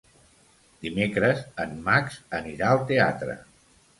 Dimecres en Max anirà al teatre.